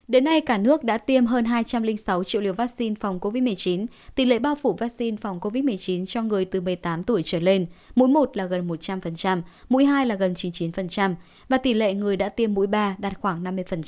đến nay cả nước đã tiêm hơn hai trăm linh sáu triệu liều vaccine phòng covid một mươi chín tỷ lệ bao phủ vaccine phòng covid một mươi chín cho người từ một mươi tám tuổi trở lên mũi một là gần một trăm linh mũi hai là gần chín mươi chín và tỷ lệ người đã tiêm mũi ba đạt khoảng năm mươi